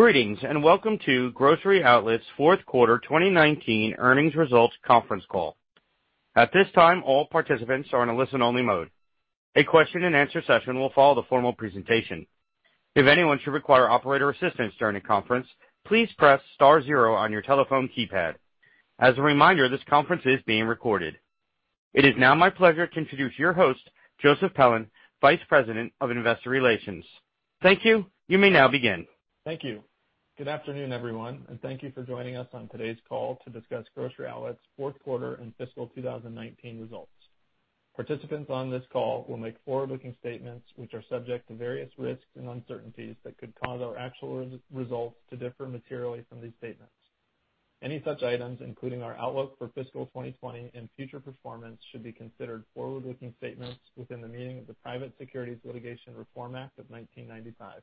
Greetings, welcome to Grocery Outlet's Fourth Quarter 2019 Earnings Results Conference Call. At this time, all participants are in a listen-only mode. A question and answer session will follow the formal presentation. If anyone should require operator assistance during the conference, please press star zero on your telephone keypad. As a reminder, this conference is being recorded. It is now my pleasure to introduce your host, Joseph Pelland, Vice President, Investor Relations. Thank you. You may now begin. Thank you. Good afternoon, everyone, and thank you for joining us on today's call to discuss Grocery Outlet's Fourth Quarter and Fiscal 2019 Results. Participants on this call will make forward-looking statements, which are subject to various risks and uncertainties that could cause our actual results to differ materially from these statements. Any such items, including our outlook for fiscal 2020 and future performance, should be considered forward-looking statements within the meaning of the Private Securities Litigation Reform Act of 1995.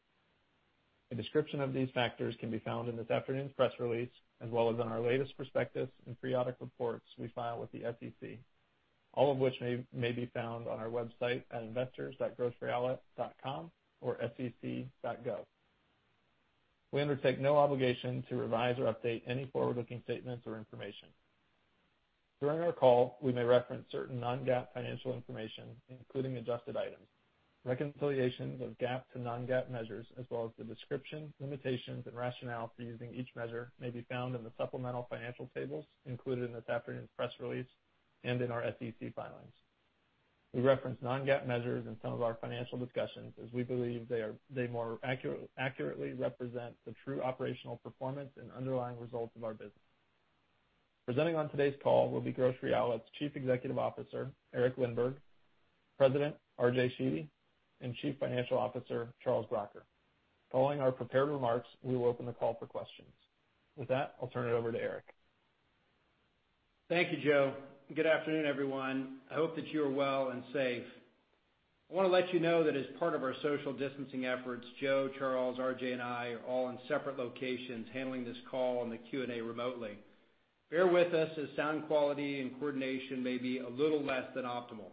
A description of these factors can be found in this afternoon's press release, as well as in our latest prospectus and periodic reports we file with the SEC, all of which may be found on our website at investors.groceryoutlet.com or sec.gov. We undertake no obligation to revise or update any forward-looking statements or information. During our call, we may reference certain non-GAAP financial information, including adjusted items. Reconciliations of GAAP to non-GAAP measures, as well as the description, limitations, and rationale for using each measure, may be found in the supplemental financial tables included in this afternoon's press release and in our SEC filings. We reference non-GAAP measures in some of our financial discussions as we believe they more accurately represent the true operational performance and underlying results of our business. Presenting on today's call will be Grocery Outlet's Chief Executive Officer, Eric Lindberg, President, RJ Sheedy, and Chief Financial Officer, Charles Bracher. Following our prepared remarks, we will open the call for questions. With that, I'll turn it over to Eric. Thank you, Joe. Good afternoon, everyone. I hope that you are well and safe. I want to let you know that as part of our social distancing efforts, Joe, Charles, RJ, and I are all in separate locations handling this call and the Q&A remotely. Bear with us as sound quality and coordination may be a little less than optimal.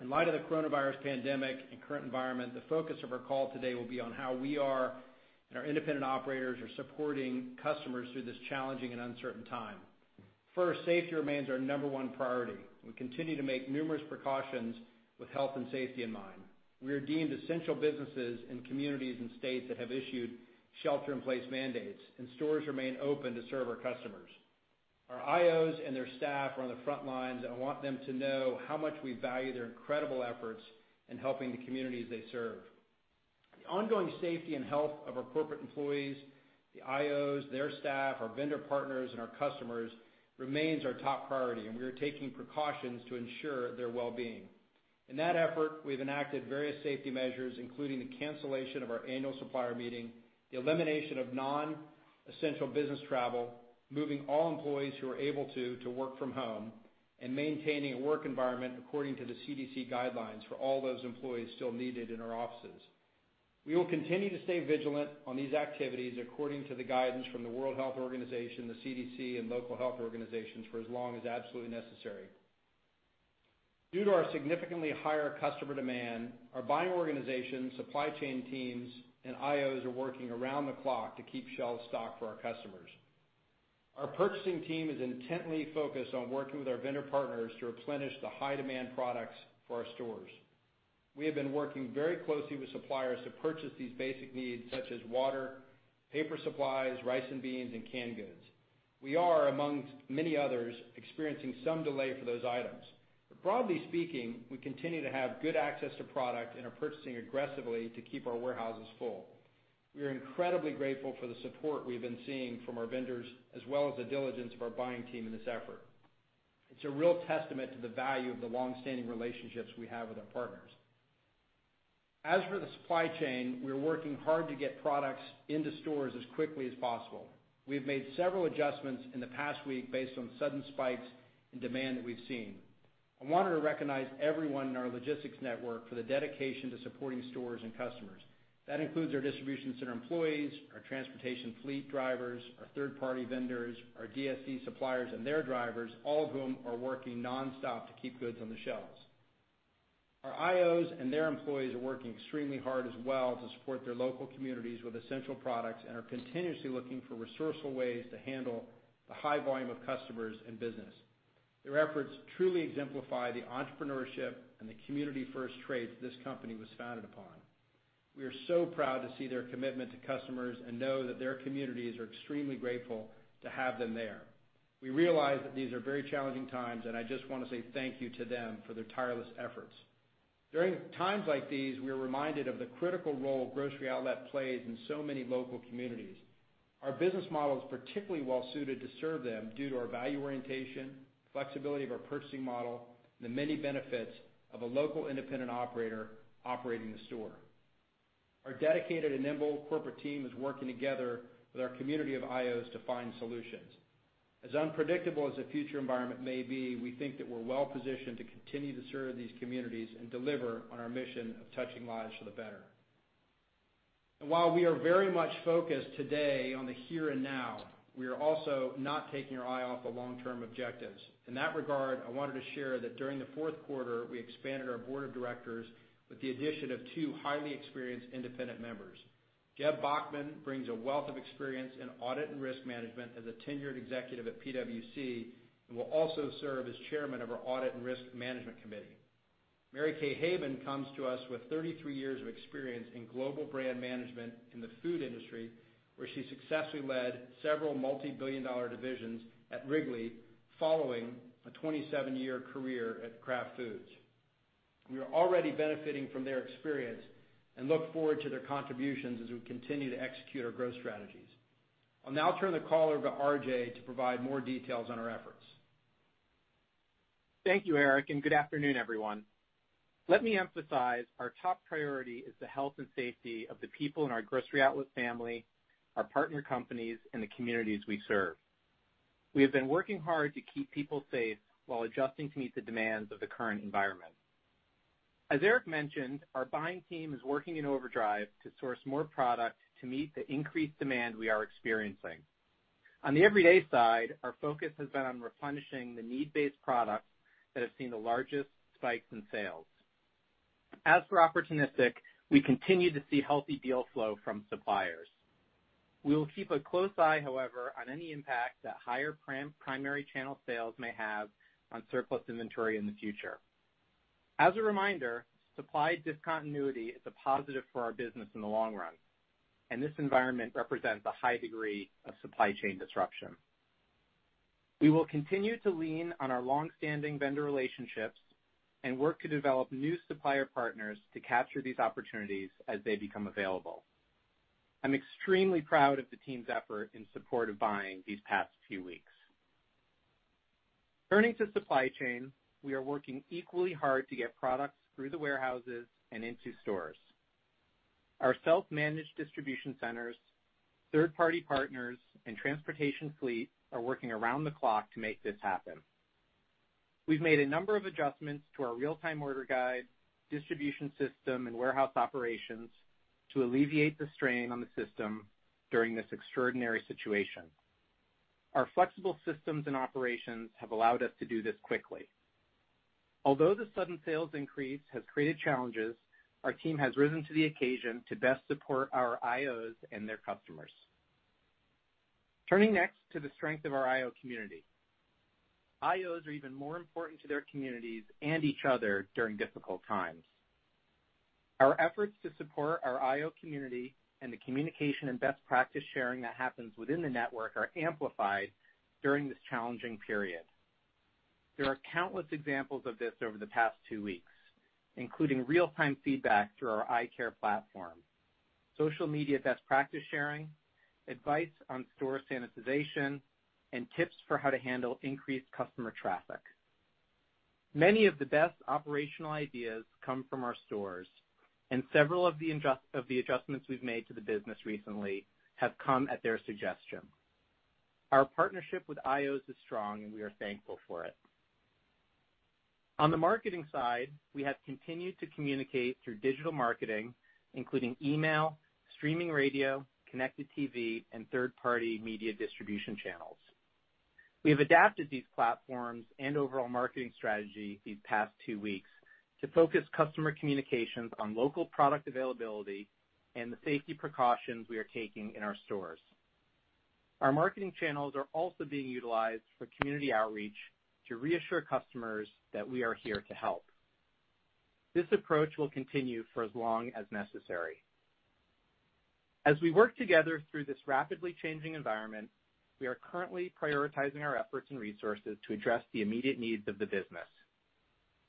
In light of the coronavirus pandemic and current environment, the focus of our call today will be on how we are, and our independent operators are supporting customers through this challenging and uncertain time. First, safety remains our number one priority. We continue to make numerous precautions with health and safety in mind. We are deemed essential businesses in communities and states that have issued shelter-in-place mandates, and stores remain open to serve our customers. Our IOs and their staff are on the front lines, and I want them to know how much we value their incredible efforts in helping the communities they serve. The ongoing safety and health of our corporate employees, the IOs, their staff, our vendor partners, and our customers remains our top priority, and we are taking precautions to ensure their well-being. In that effort, we've enacted various safety measures, including the cancellation of our annual supplier meeting, the elimination of non-essential business travel, moving all employees who are able to work from home, and maintaining a work environment according to the CDC guidelines for all those employees still needed in our offices. We will continue to stay vigilant on these activities according to the guidance from the World Health Organization, the CDC, and local health organizations for as long as absolutely necessary. Due to our significantly higher customer demand, our buying organization, supply chain teams, and IOs are working around the clock to keep shelves stocked for our customers. Our purchasing team is intently focused on working with our vendor partners to replenish the high-demand products for our stores. We have been working very closely with suppliers to purchase these basic needs, such as water, paper supplies, rice and beans, and canned goods. We are, amongst many others, experiencing some delay for those items. Broadly speaking, we continue to have good access to product and are purchasing aggressively to keep our warehouses full. We are incredibly grateful for the support we've been seeing from our vendors, as well as the diligence of our buying team in this effort. It's a real testament to the value of the longstanding relationships we have with our partners. As for the supply chain, we are working hard to get products into stores as quickly as possible. We have made several adjustments in the past week based on sudden spikes in demand that we've seen. I wanted to recognize everyone in our logistics network for the dedication to supporting stores and customers. That includes our distribution center employees, our transportation fleet drivers, our third-party vendors, our DSD suppliers and their drivers, all of whom are working nonstop to keep goods on the shelves. Our IOs and their employees are working extremely hard as well to support their local communities with essential products and are continuously looking for resourceful ways to handle the high volume of customers and business. Their efforts truly exemplify the entrepreneurship and the community-first traits this company was founded upon. We are so proud to see their commitment to customers and know that their communities are extremely grateful to have them there. We realize that these are very challenging times, and I just want to say thank you to them for their tireless efforts. During times like these, we are reminded of the critical role Grocery Outlet plays in so many local communities. Our business model is particularly well-suited to serve them due to our value orientation, flexibility of our purchasing model, and the many benefits of a local independent operator operating the store. Our dedicated and nimble corporate team is working together with our community of IOs to find solutions. As unpredictable as the future environment may be, we think that we're well-positioned to continue to serve these communities and deliver on our mission of touching lives for the better. While we are very much focused today on the here and now, we are also not taking our eye off the long-term objectives. In that regard, I wanted to share that during the fourth quarter, we expanded our board of directors with the addition of two highly experienced independent members. Jeb Bachman brings a wealth of experience in audit and risk management as a tenured executive at PwC, and will also serve as chairman of our Audit and Risk Management Committee. Mary Kay Haben comes to us with 33 years of experience in global brand management in the food industry, where she successfully led several multi-billion-dollar divisions at Wrigley following a 27-year career at Kraft Foods. We are already benefiting from their experience and look forward to their contributions as we continue to execute our growth strategies. I'll now turn the call over to RJ to provide more details on our efforts. Thank you, Eric. Good afternoon, everyone. Let me emphasize, our top priority is the health and safety of the people in our Grocery Outlet family, our partner companies, and the communities we serve. We have been working hard to keep people safe while adjusting to meet the demands of the current environment. As Eric mentioned, our buying team is working in overdrive to source more product to meet the increased demand we are experiencing. On the everyday side, our focus has been on replenishing the need-based products that have seen the largest spikes in sales. As for opportunistic, we continue to see healthy deal flow from suppliers. We will keep a close eye, however, on any impact that higher primary channel sales may have on surplus inventory in the future. As a reminder, supply discontinuity is a positive for our business in the long run, and this environment represents a high degree of supply chain disruption. We will continue to lean on our longstanding vendor relationships and work to develop new supplier partners to capture these opportunities as they become available. I'm extremely proud of the team's effort in support of buying these past few weeks. Turning to supply chain, we are working equally hard to get products through the warehouses and into stores. Our self-managed distribution centers, third-party partners, and transportation fleet are working around the clock to make this happen. We've made a number of adjustments to our real-time order guide, distribution system, and warehouse operations to alleviate the strain on the system during this extraordinary situation. Our flexible systems and operations have allowed us to do this quickly. Although the sudden sales increase has created challenges, our team has risen to the occasion to best support our IOs and their customers. Turning next to the strength of our IO community. IOs are even more important to their communities and each other during difficult times. Our efforts to support our IO community and the communication and best practice sharing that happens within the network are amplified during this challenging period. There are countless examples of this over the past two weeks, including real-time feedback through our iCare platform, social media best practice sharing, advice on store sanitization, and tips for how to handle increased customer traffic. Many of the best operational ideas come from our stores, and several of the adjustments we've made to the business recently have come at their suggestion. Our partnership with IOs is strong, and we are thankful for it. On the marketing side, we have continued to communicate through digital marketing, including email, streaming radio, connected TV, and third-party media distribution channels. We have adapted these platforms and overall marketing strategy these past two weeks to focus customer communications on local product availability and the safety precautions we are taking in our stores. Our marketing channels are also being utilized for community outreach to reassure customers that we are here to help. This approach will continue for as long as necessary. As we work together through this rapidly changing environment, we are currently prioritizing our efforts and resources to address the immediate needs of the business.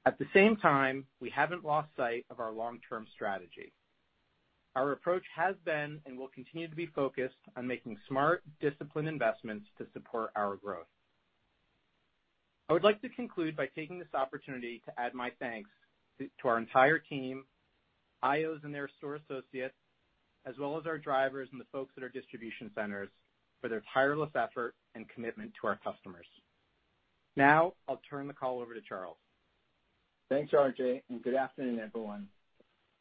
At the same time, we haven't lost sight of our long-term strategy. Our approach has been, and will continue to be focused on making smart, disciplined investments to support our growth. I would like to conclude by taking this opportunity to add my thanks to our entire team, IOs and their store associates, as well as our drivers and the folks at our distribution centers for their tireless effort and commitment to our customers. I'll turn the call over to Charles. Thanks, RJ. Good afternoon, everyone.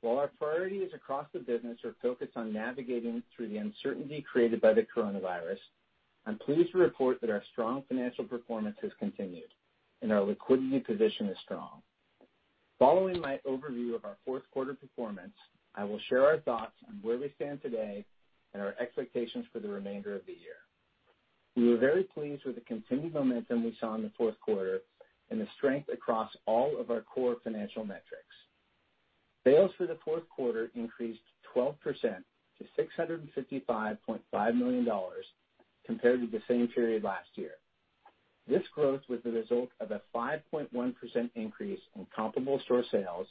While our priorities across the business are focused on navigating through the uncertainty created by the coronavirus, I'm pleased to report that our strong financial performance has continued and our liquidity position is strong. Following my overview of our fourth quarter performance, I will share our thoughts on where we stand today and our expectations for the remainder of the year. We were very pleased with the continued momentum we saw in the fourth quarter and the strength across all of our core financial metrics. Sales for the fourth quarter increased 12% to $655.5 million compared to the same period last year. This growth was the result of a 5.1% increase in comparable store sales,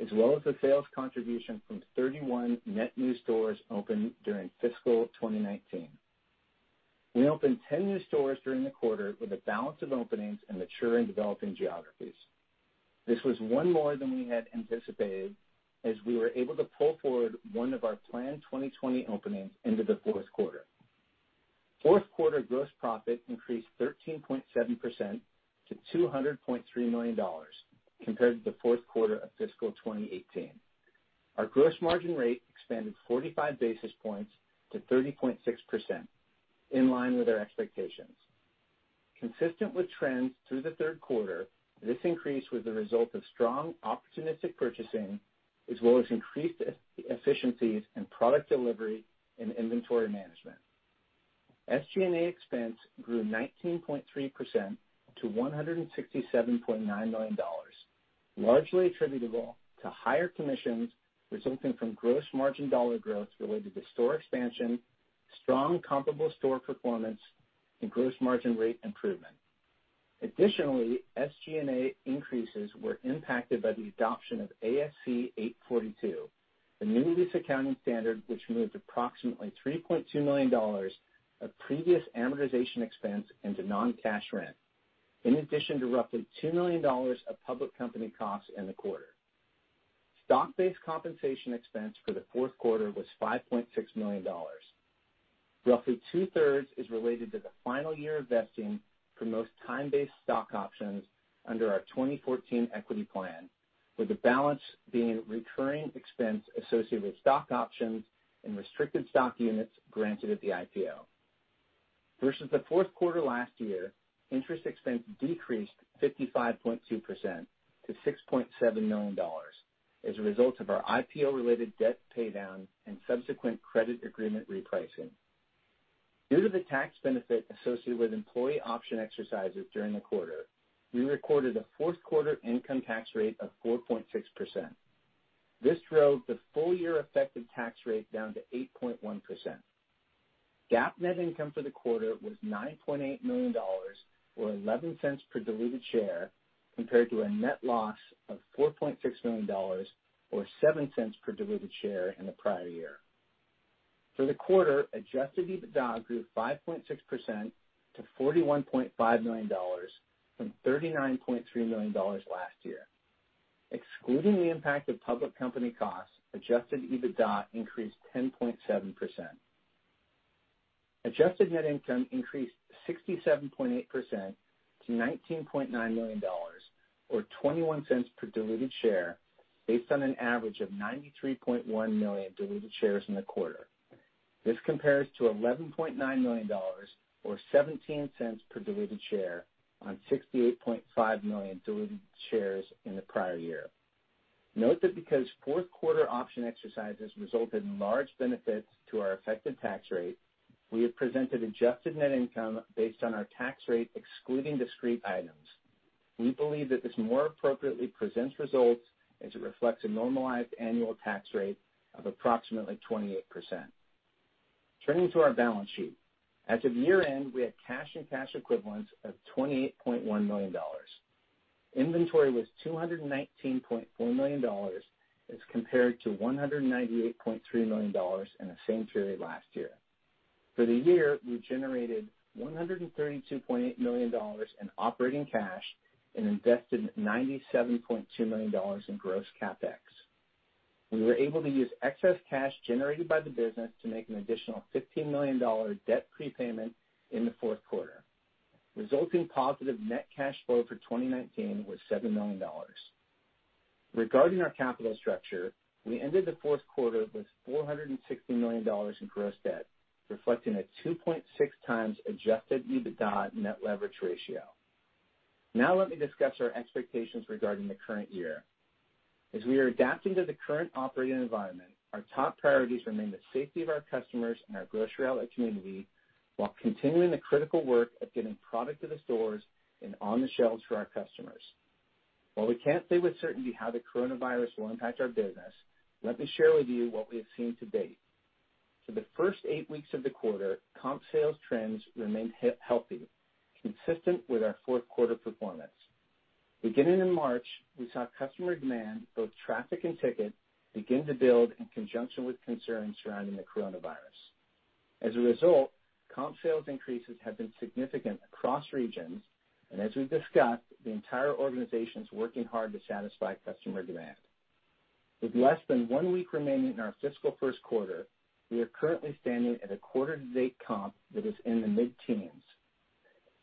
as well as the sales contribution from 31 net new stores opened during fiscal 2019. We opened 10 new stores during the quarter with a balance of openings in mature and developing geographies. This was one more than we had anticipated, as we were able to pull forward one of our planned 2020 openings into the fourth quarter. Fourth quarter gross profit increased 13.7% to $200.3 million compared to the fourth quarter of fiscal 2018. Our gross margin rate expanded 45 basis points to 30.6%, in line with our expectations. Consistent with trends through the third quarter, this increase was the result of strong opportunistic purchasing, as well as increased efficiencies in product delivery and inventory management. SG&A expense grew 19.3% to $167.9 million, largely attributable to higher commissions resulting from gross margin dollar growth related to store expansion, strong comparable store performance, and gross margin rate improvement. Additionally, SG&A increases were impacted by the adoption of ASC 842, the new lease accounting standard which moved approximately $3.2 million of previous amortization expense into non-cash rent, in addition to roughly $2 million of public company costs in the quarter. Stock-based compensation expense for the fourth quarter was $5.6 million. Roughly two-thirds is related to the final year of vesting for most time-based stock options under our 2014 equity plan, with the balance being recurring expense associated with stock options and restricted stock units granted at the IPO. Versus the fourth quarter last year, interest expense decreased 55.2% to $6.7 million as a result of our IPO-related debt paydown and subsequent credit agreement repricing. Due to the tax benefit associated with employee option exercises during the quarter, we recorded a fourth quarter income tax rate of 4.6%. This drove the full-year effective tax rate down to 8.1%. GAAP net income for the quarter was $9.8 million, or $0.11 per diluted share, compared to a net loss of $4.6 million, or $0.07 per diluted share in the prior year. For the quarter, adjusted EBITDA grew 5.6% to $41.5 million from $39.3 million last year. Excluding the impact of public company costs, adjusted EBITDA increased 10.7%. Adjusted net income increased 67.8% to $19.9 million, or $0.21 per diluted share, based on an average of 93.1 million diluted shares in the quarter. This compares to $11.9 million, or $0.17 per diluted share, on 68.5 million diluted shares in the prior year. Note that because fourth quarter option exercises result in large benefits to our effective tax rate, we have presented adjusted net income based on our tax rate excluding discrete items. We believe that this more appropriately presents results as it reflects a normalized annual tax rate of approximately 28%. Turning to our balance sheet. As of year-end, we had cash and cash equivalents of $28.1 million. Inventory was $219.4 million as compared to $198.3 million in the same period last year. For the year, we generated $132.8 million in operating cash and invested $97.2 million in gross CapEx. We were able to use excess cash generated by the business to make an additional $15 million debt prepayment in the fourth quarter, resulting positive net cash flow for 2019 was $7 million. Regarding our capital structure, we ended the fourth quarter with $460 million in gross debt, reflecting a 2.6x adjusted EBITDA net leverage ratio. Let me discuss our expectations regarding the current year. As we are adapting to the current operating environment, our top priorities remain the safety of our customers and our Grocery Outlet community, while continuing the critical work of getting product to the stores and on the shelves for our customers. While we can't say with certainty how the coronavirus will impact our business, let me share with you what we have seen to date. For the first eight weeks of the quarter, comp sales trends remained healthy, consistent with our fourth quarter performance. Beginning in March, we saw customer demand, both traffic and ticket, begin to build in conjunction with concerns surrounding the coronavirus. As a result, comp sales increases have been significant across regions, and as we've discussed, the entire organization's working hard to satisfy customer demand. With less than one week remaining in our fiscal first quarter, we are currently standing at a quarter to date comp that is in the mid-teens.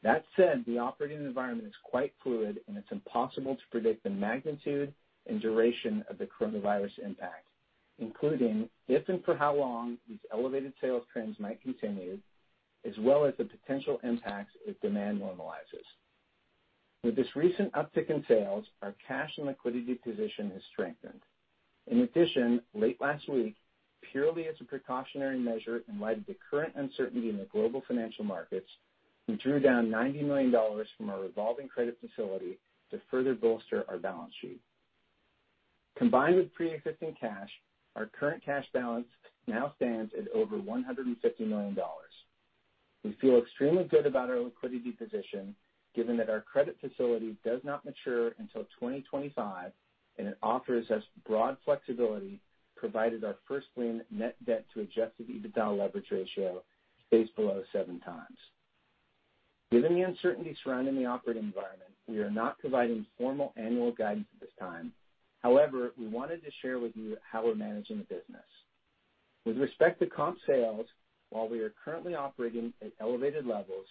That said, the operating environment is quite fluid and it's impossible to predict the magnitude and duration of the coronavirus impact, including if and for how long these elevated sales trends might continue, as well as the potential impacts if demand normalizes. With this recent uptick in sales, our cash and liquidity position has strengthened. In addition, late last week, purely as a precautionary measure in light of the current uncertainty in the global financial markets, we drew down $90 million from our revolving credit facility to further bolster our balance sheet. Combined with preexisting cash, our current cash balance now stands at over $150 million. We feel extremely good about our liquidity position, given that our credit facility does not mature until 2025, and it offers us broad flexibility, provided our first-lien net debt to adjusted EBITDA leverage ratio stays below 7x. Given the uncertainty surrounding the operating environment, we are not providing formal annual guidance at this time. However, we wanted to share with you how we're managing the business. With respect to comp sales, while we are currently operating at elevated levels,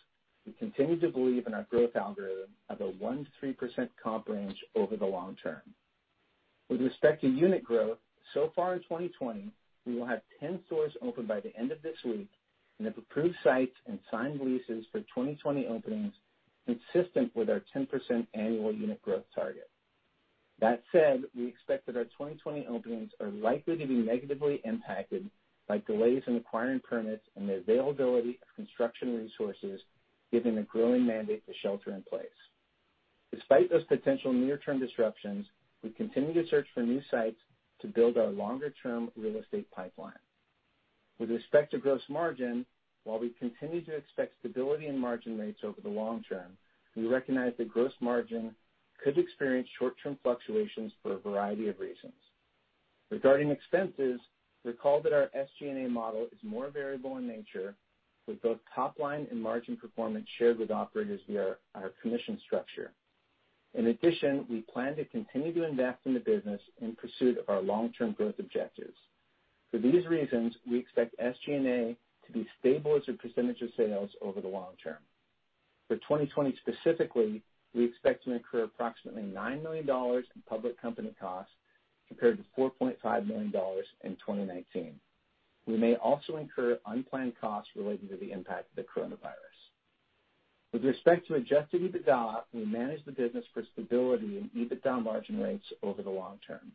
we continue to believe in our growth algorithm of a 1%-3% comp range over the long term. With respect to unit growth, so far in 2020, we will have 10 stores open by the end of this week and have approved sites and signed leases for 2020 openings consistent with our 10% annual unit growth target. That said, we expect that our 2020 openings are likely to be negatively impacted by delays in acquiring permits and the availability of construction resources, given the growing mandate to shelter in place. Despite those potential near-term disruptions, we continue to search for new sites to build our longer-term real estate pipeline. With respect to gross margin, while we continue to expect stability in margin rates over the long term, we recognize that gross margin could experience short-term fluctuations for a variety of reasons. Regarding expenses, recall that our SG&A model is more variable in nature, with both top-line and margin performance shared with operators via our commission structure. In addition, we plan to continue to invest in the business in pursuit of our long-term growth objectives. For these reasons, we expect SG&A to be stable as a percentage of sales over the long term. For 2020 specifically, we expect to incur approximately $9 million in public company costs, compared to $4.5 million in 2019. We may also incur unplanned costs relating to the impact of the coronavirus. With respect to adjusted EBITDA, we manage the business for stability in EBITDA margin rates over the long term.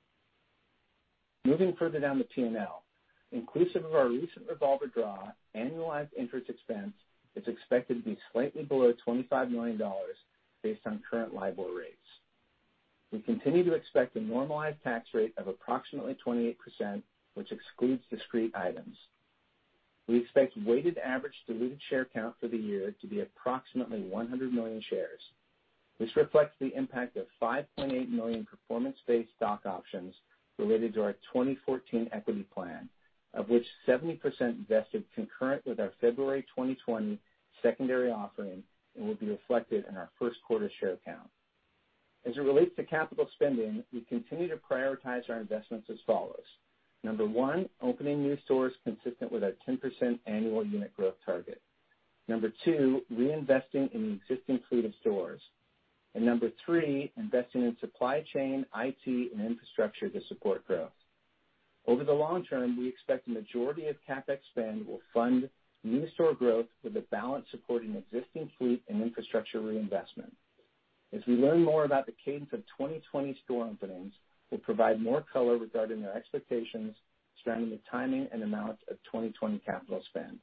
Moving further down the P&L, inclusive of our recent revolver draw, annualized interest expense is expected to be slightly below $25 million based on current LIBOR rates. We continue to expect a normalized tax rate of approximately 28%, which excludes discrete items. We expect weighted average diluted share count for the year to be approximately 100 million shares. This reflects the impact of 5.8 million performance-based stock options related to our 2014 equity plan, of which 70% vested concurrent with our February 2020 secondary offering and will be reflected in our first quarter share count. As it relates to capital spending, we continue to prioritize our investments as follows. Number one, opening new stores consistent with our 10% annual unit growth target. Number two, reinvesting in the existing fleet of stores. Number three, investing in supply chain, IT, and infrastructure to support growth. Over the long term, we expect the majority of CapEx spend will fund new store growth, with the balance supporting existing fleet and infrastructure reinvestment. As we learn more about the cadence of 2020 store openings, we'll provide more color regarding our expectations surrounding the timing and amounts of 2020 capital spend.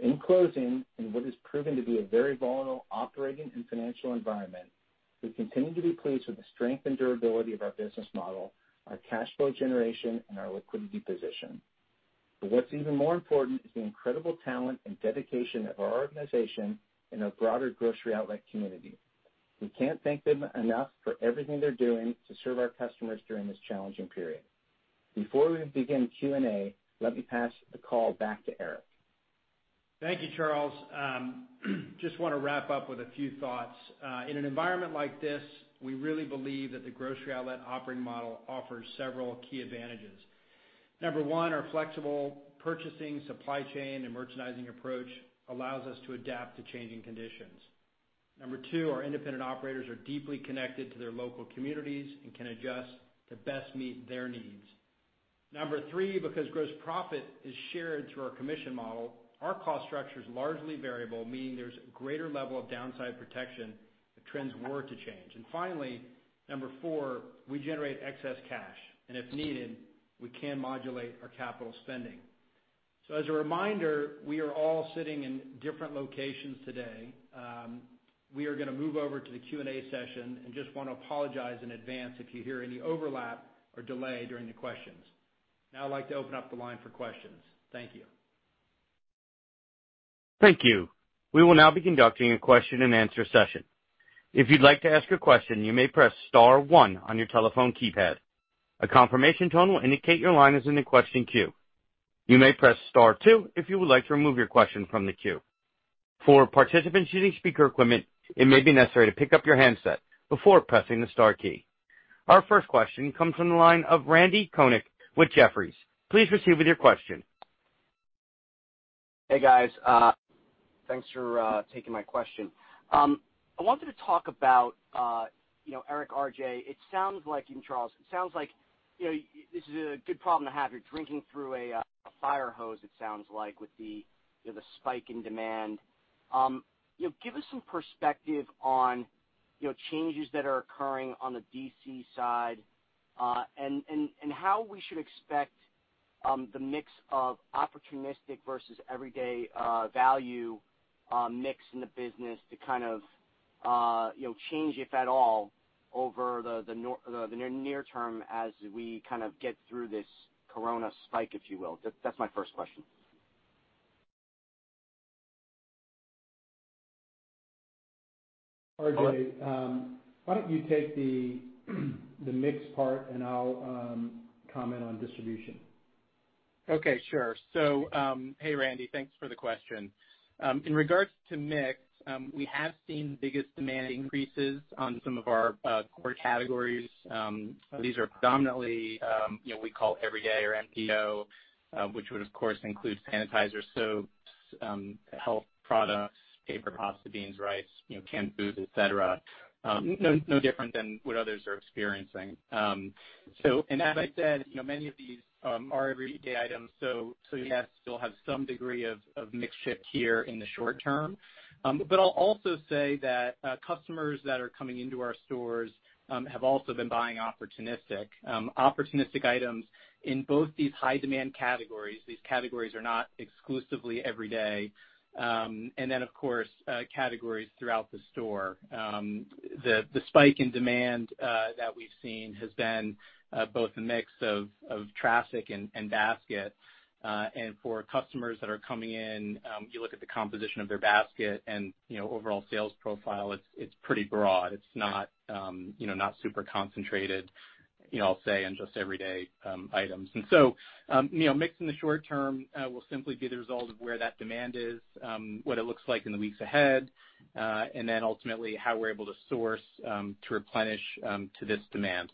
In closing, in what is proving to be a very volatile operating and financial environment, we continue to be pleased with the strength and durability of our business model, our cash flow generation, and our liquidity position. What's even more important is the incredible talent and dedication of our organization and our broader Grocery Outlet community. We can't thank them enough for everything they're doing to serve our customers during this challenging period. Before we begin Q&A, let me pass the call back to Eric. Thank you, Charles. Just want to wrap up with a few thoughts. In an environment like this, we really believe that the Grocery Outlet operating model offers several key advantages. Number one, our flexible purchasing, supply chain, and merchandising approach allows us to adapt to changing conditions. Number two our independent operators are deeply connected to their local communities and can adjust to best meet their needs. Number three, because gross profit is shared through our commission model, our cost structure is largely variable, meaning there's a greater level of downside protection if trends were to change. Finally, Number four, we generate excess cash, and if needed, we can modulate our capital spending. As a reminder, we are all sitting in different locations today. We are going to move over to the Q&A session, and just want to apologize in advance if you hear any overlap or delay during the questions. Now I'd like to open up the line for questions. Thank you. Thank you. We will now be conducting a question and answer session. If you'd like to ask a question, you may press star one on your telephone keypad. A confirmation tone will indicate your line is in the question queue. You may press star two if you would like to remove your question from the queue. For participants using speaker equipment, it may be necessary to pick up your handset before pressing the star key. Our first question comes from the line of Randy Konik with Jefferies. Please proceed with your question. Hey, guys. Thanks for taking my question. I wanted to talk about, Eric, RJ, and Charles, it sounds like this is a good problem to have. You're drinking through a fire hose, it sounds like, with the spike in demand. Give us some perspective on changes that are occurring on the DC side and how we should expect the mix of opportunistic versus everyday value mix in the business to change, if at all, over the near term as we get through this corona spike, if you will. That's my first question. RJ, why don't you take the mix part, and I'll comment on distribution. Okay, sure. Hey, Randy, thanks for the question. In regards to mix, we have seen the biggest demand increases on some of our core categories. These are predominantly, we call everyday or MPO, which would, of course, include sanitizers. Health products, paper, pasta, beans, rice, canned foods, etcetera. No different than what others are experiencing. As I said, many of these are everyday items, so yes, you'll have some degree of mix shift here in the short term. I'll also say that customers that are coming into our stores have also been buying opportunistic items in both these high demand categories, these categories are not exclusively everyday, then of course, categories throughout the store. The spike in demand that we've seen has been both a mix of traffic and basket. For customers that are coming in, you look at the composition of their basket and overall sales profile, it's pretty broad. It's not super concentrated, I'll say, in just everyday items. Mix in the short term will simply be the result of where that demand is, what it looks like in the weeks ahead, and then ultimately how we're able to source to replenish to this demand.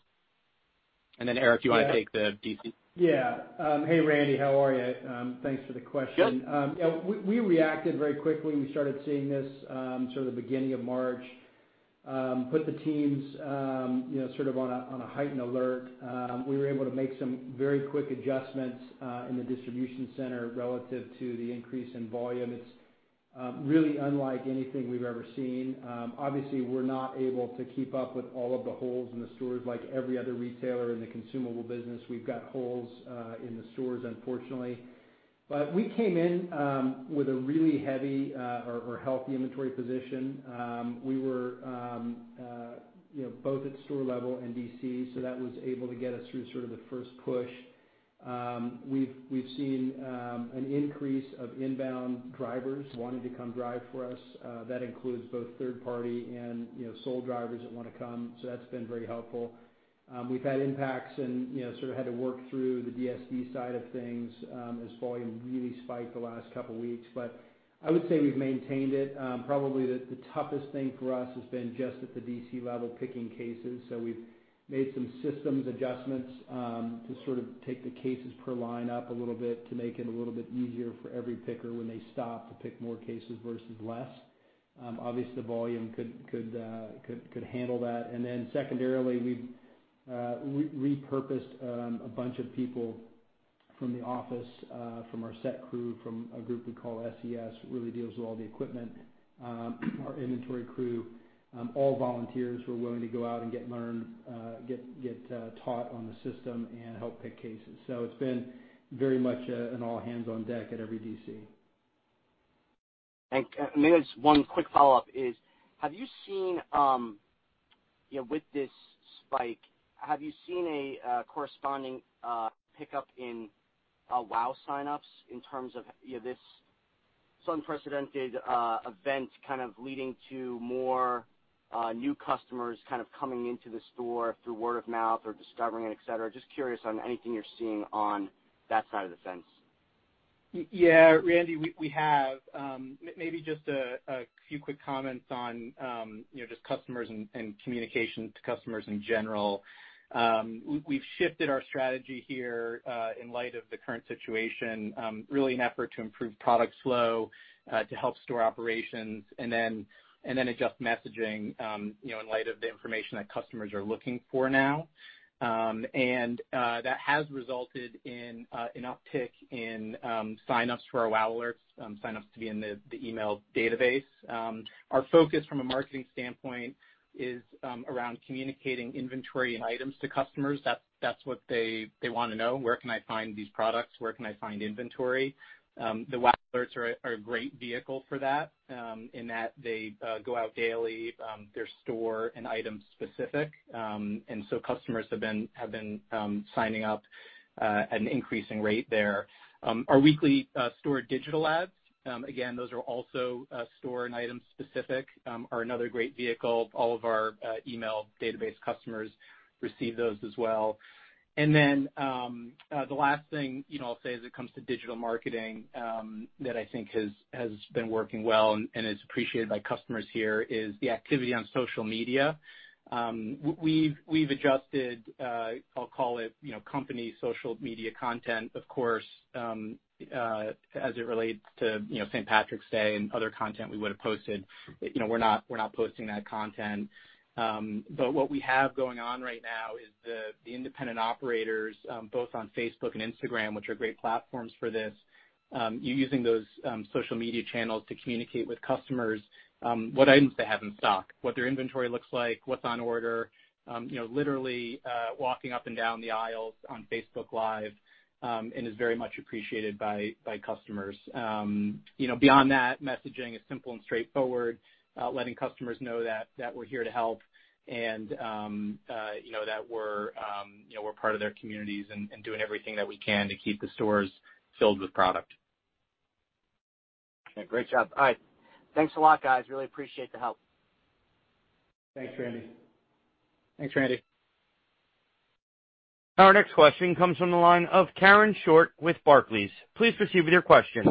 Eric, you want to take the DC? Yeah. Hey, Randy. How are you? Thanks for the question. Good. We reacted very quickly. We started seeing this sort of the beginning of March. Put the teams sort of on a heightened alert. We were able to make some very quick adjustments in the distribution center relative to the increase in volume. It's really unlike anything we've ever seen. Obviously, we're not able to keep up with all of the holes in the stores like every other retailer in the consumable business. We've got holes in the stores, unfortunately. We came in with a really heavy or healthy inventory position. We were both at store level and DC, that was able to get us through sort of the first push. We've seen an increase of inbound drivers wanting to come drive for us. That includes both third party and sole drivers that want to come. That's been very helpful. We've had impacts and sort of had to work through the DSD side of things as volume really spiked the last couple of weeks. I would say we've maintained it. Probably the toughest thing for us has been just at the DC level, picking cases. We've made some systems adjustments to sort of take the cases per line up a little bit to make it a little bit easier for every picker when they stop to pick more cases versus less. Obviously, the volume could handle that. Secondarily, we've repurposed a bunch of people from the office, from our set crew, from a group we call SES, really deals with all the equipment, our inventory crew, all volunteers who are willing to go out and get taught on the system and help pick cases. It's been very much an all hands on deck at every DC. Thanks. Maybe just one quick follow-up is, with this spike, have you seen a corresponding pickup in WOW signups in terms of this unprecedented event kind of leading to more new customers kind of coming into the store through word of mouth or discovering it, et cetera? Just curious on anything you're seeing on that side of the fence. Yeah, Randy, we have. Maybe just a few quick comments on just customers and communication to customers in general. We've shifted our strategy here in light of the current situation, really an effort to improve product flow, to help store operations, and then adjust messaging in light of the information that customers are looking for now. That has resulted in an uptick in signups for our WOW alerts, signups to be in the email database. Our focus from a marketing standpoint is around communicating inventory and items to customers. That's what they want to know. Where can I find these products? Where can I find inventory? The WOW alerts are a great vehicle for that, in that they go out daily, they're store and item specific. Customers have been signing up at an increasing rate there. Our weekly store digital ads, again, those are also store and item specific, are another great vehicle. All of our email database customers receive those as well. The last thing I'll say as it comes to digital marketing that I think has been working well and is appreciated by customers here is the activity on social media. We've adjusted, I'll call it company social media content. Of course, as it relates to St. Patrick's Day and other content we would've posted, we're not posting that content. What we have going on right now is the independent operators, both on Facebook and Instagram, which are great platforms for this, using those social media channels to communicate with customers what items they have in stock, what their inventory looks like, what's on order. Literally walking up and down the aisles on Facebook Live and is very much appreciated by customers. Beyond that, messaging is simple and straightforward. Letting customers know that we're here to help and that we're part of their communities and doing everything that we can to keep the stores filled with product. Okay. Great job. All right. Thanks a lot, guys. Really appreciate the help. Thanks, Randy. Thanks, Randy. Our next question comes from the line of Karen Short with Barclays. Please proceed with your question.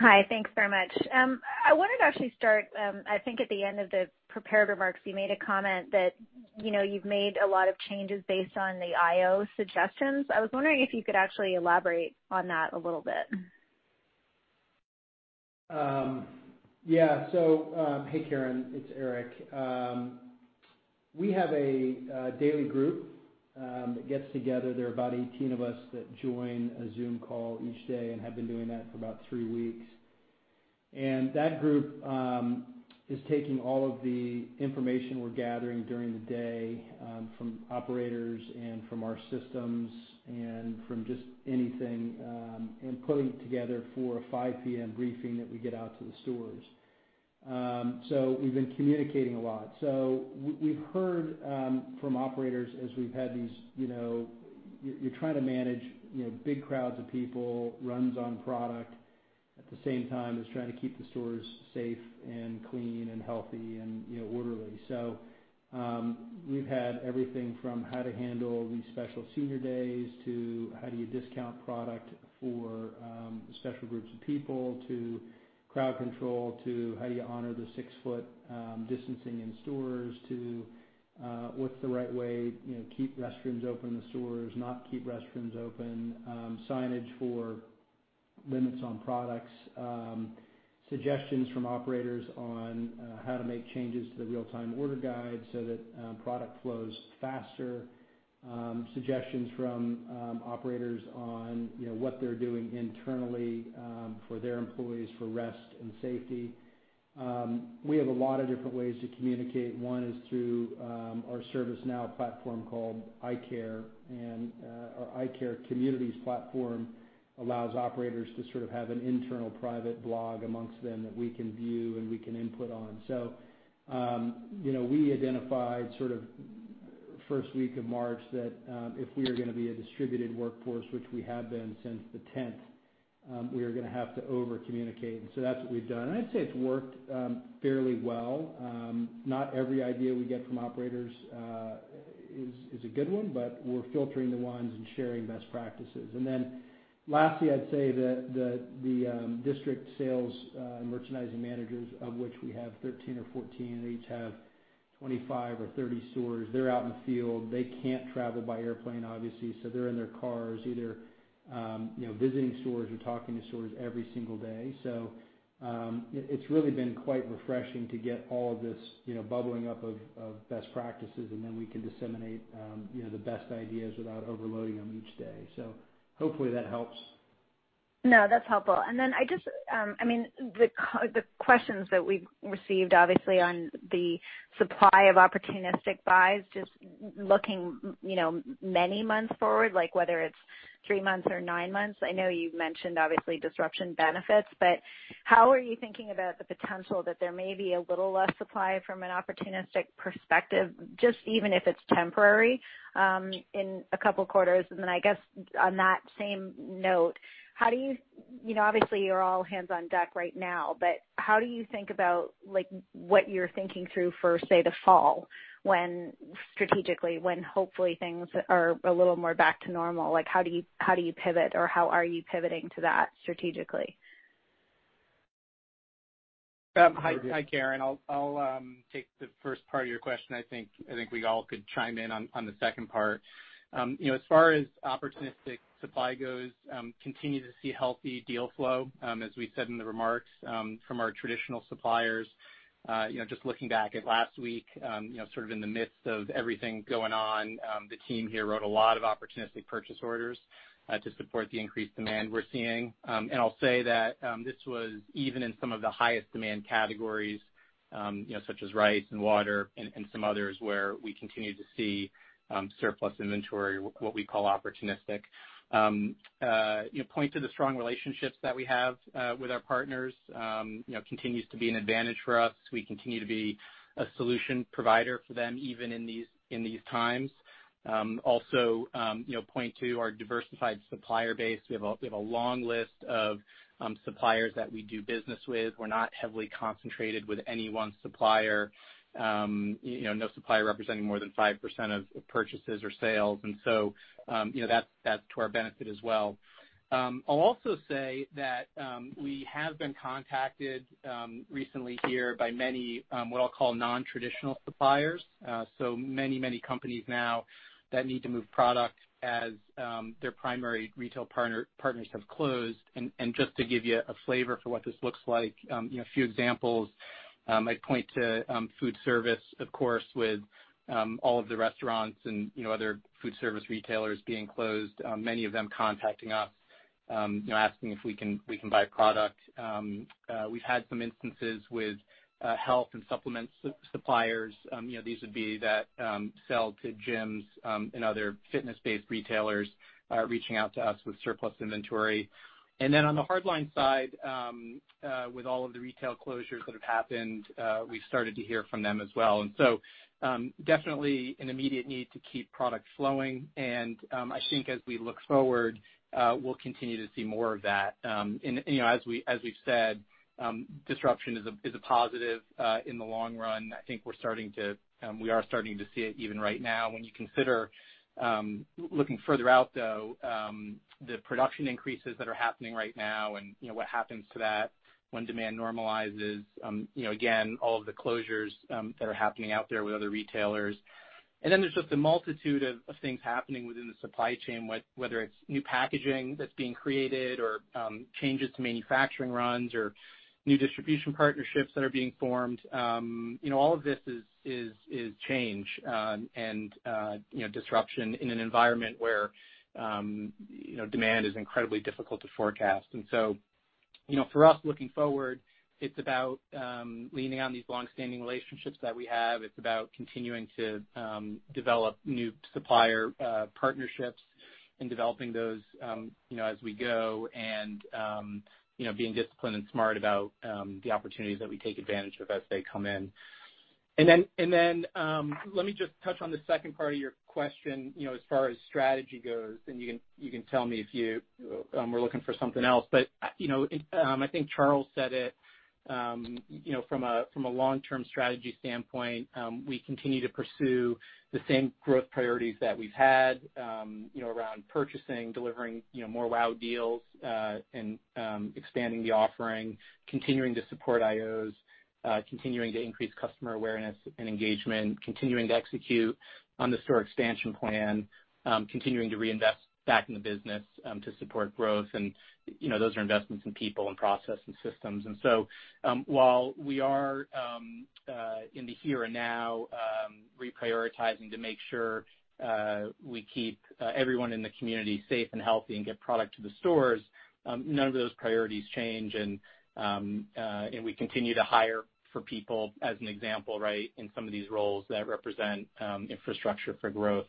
Hi. Thanks very much. I wanted to actually start, I think at the end of the prepared remarks, you made a comment that you've made a lot of changes based on the IO suggestions. I was wondering if you could actually elaborate on that a little bit. Yeah. Hey, Karen, it's Eric. We have a daily group that gets together. There are about 18 of us that join a Zoom call each day and have been doing that for about three weeks. That group is taking all of the information we're gathering during the day from operators and from our systems and from just anything, and putting it together for a 5:00 P.M. briefing that we get out to the stores. We've been communicating a lot. We've heard from operators. You're trying to manage big crowds of people, runs on product, at the same time as trying to keep the stores safe and clean and healthy and orderly. We've had everything from how to handle these special senior days to how do you discount product for special groups of people, to crowd control, to how do you honor the six-foot distancing in stores, to what's the right way, keep restrooms open in the stores, not keep restrooms open, signage for limits on products, suggestions from operators on how to make changes to the real-time order guide so that product flows faster, suggestions from operators on what they're doing internally for their employees for rest and safety. We have a lot of different ways to communicate. One is through our ServiceNow platform called iCare. Our iCare communities platform allows operators to sort of have an internal private blog amongst them that we can view and we can input on. We identified sort of first week of March that if we are going to be a distributed workforce, which we have been since the 10th, we are going to have to over-communicate. That's what we've done. I'd say it's worked fairly well. Not every idea we get from operators is a good one, but we're filtering the ones and sharing best practices. Lastly, I'd say that the district sales merchandising managers, of which we have 13 or 14, they each have 25 or 30 stores. They're out in the field. They can't travel by airplane, obviously, so they're in their cars either visiting stores or talking to stores every single day. It's really been quite refreshing to get all of this bubbling up of best practices, and then we can disseminate the best ideas without overloading them each day. Hopefully that helps. No, that's helpful. The questions that we've received, obviously, on the supply of opportunistic buys, just looking many months forward, like whether it's three months or nine months. I know you've mentioned, obviously, disruption benefits, how are you thinking about the potential that there may be a little less supply from an opportunistic perspective, just even if it's temporary, in a couple of quarters? I guess on that same note, obviously, you're all hands on deck right now, but how do you think about what you're thinking through for, say, the fall, strategically, when hopefully things are a little more back to normal? How do you pivot, or how are you pivoting to that strategically? Hi, Karen. I'll take the first part of your question. I think we all could chime in on the second part. As far as opportunistic supply goes, continue to see healthy deal flow, as we said in the remarks, from our traditional suppliers. Just looking back at last week, sort of in the midst of everything going on, the team here wrote a lot of opportunistic purchase orders to support the increased demand we're seeing. I'll say that this was even in some of the highest demand categories, such as rice and water and some others where we continue to see surplus inventory, what we call opportunistic. Point to the strong relationships that we have with our partners continues to be an advantage for us. We continue to be a solution provider for them even in these times. Also, point to our diversified supplier base. We have a long list of suppliers that we do business with. We're not heavily concentrated with any one supplier. No supplier representing more than 5% of purchases or sales. That's to our benefit as well. I'll also say that we have been contacted recently here by many, what I'll call non-traditional suppliers. Many companies now that need to move product as their primary retail partners have closed. Just to give you a flavor for what this looks like, a few examples. I'd point to food service, of course, with all of the restaurants and other food service retailers being closed, many of them contacting us, asking if we can buy product. We've had some instances with health and supplement suppliers. These would be that sell to gyms and other fitness-based retailers reaching out to us with surplus inventory. On the hard line side, with all of the retail closures that have happened, we've started to hear from them as well. Definitely an immediate need to keep product flowing, and I think as we look forward, we'll continue to see more of that. As we've said, disruption is a positive in the long run. I think we are starting to see it even right now. When you consider looking further out, though, the production increases that are happening right now and what happens to that when demand normalizes. Again, all of the closures that are happening out there with other retailers. There's just a multitude of things happening within the supply chain, whether it's new packaging that's being created or changes to manufacturing runs or new distribution partnerships that are being formed. All of this is change and disruption in an environment where demand is incredibly difficult to forecast. For us looking forward, it's about leaning on these longstanding relationships that we have. It's about continuing to develop new supplier partnerships and developing those as we go and being disciplined and smart about the opportunities that we take advantage of as they come in. Let me just touch on the second part of your question. As far as strategy goes, and you can tell me if you were looking for something else, but I think Charles said it. From a long-term strategy standpoint, we continue to pursue the same growth priorities that we've had around purchasing, delivering more wow deals, and expanding the offering, continuing to support IOs, continuing to increase customer awareness and engagement, continuing to execute on the store expansion plan, continuing to reinvest back in the business to support growth. Those are investments in people and process and systems. While we are in the here and now reprioritizing to make sure we keep everyone in the community safe and healthy and get product to the stores, none of those priorities change. We continue to hire for people as an example in some of these roles that represent infrastructure for growth.